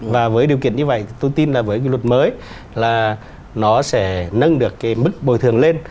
và với điều kiện như vậy tôi tin là với cái luật mới là nó sẽ nâng được cái mức bồi thường lên